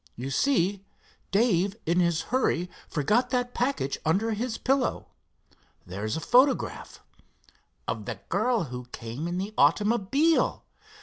"You see, Dave in his hurry forgot that package under his pillow. There's a photograph——" "Of the girl who came in the automobile!